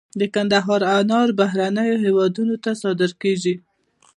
د کندهار انار بهرنیو هیوادونو ته صادریږي.